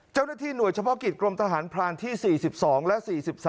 เจ้าหน้าที่หน่วยเฉพาะกิจกรมทหารพรานที่๔๒และ๔๓